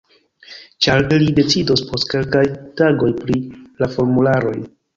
Ĉar ili decidos post kelkaj tagoj pri la formularoj